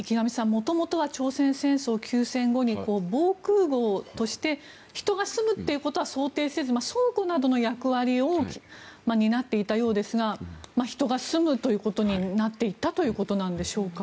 元々は朝鮮戦争休戦後に防空壕として人が住むっていうことは想定せず倉庫などの役割を担っていたようですが人が住むということになっていったということなんでしょうか。